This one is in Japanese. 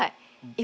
今